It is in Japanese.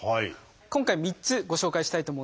今回３つご紹介したいと思うんですけど。